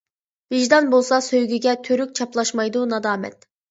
ۋىجدان بولسا سۆيگۈگە تۈرۈك چاپلاشمايدۇ نادامەت.